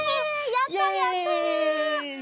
やったやった！